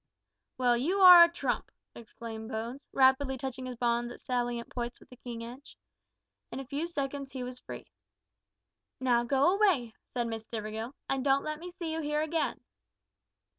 "Well, you are a trump!" exclaimed Bones, rapidly touching his bonds at salient points with the keen edge. In a few seconds he was free. "Now, go away," said Miss Stivergill, "and don't let me see you here again."